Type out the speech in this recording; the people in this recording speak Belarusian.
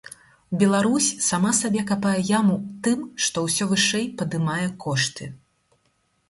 Беларусь сама сабе капае яму тым, што ўсё вышэй падымае кошты.